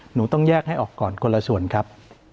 หนูต้องแยกให้ออกก่อนคนละส่วนครับ